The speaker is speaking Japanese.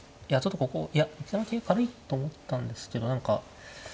いやちょっとここいや桂軽いと思ったんですけど何か。